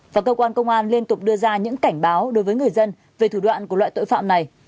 và cơ quan công an liên tục đưa ra những cảnh báo đối với người dân về thủ đoạn của loại tội phạm này